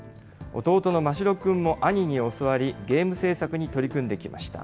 弟のマシロ君も兄に教わり、ゲーム制作に取り組んできました。